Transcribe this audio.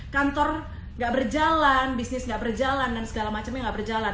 kantor gak berjalan bisnis gak berjalan dan segala macamnya gak berjalan